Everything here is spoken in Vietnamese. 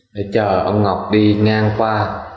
để chờ ông ngọc đi ngang qua